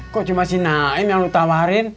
kok cuma si naim yang lu tawarin